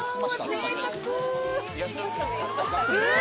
ぜいたく！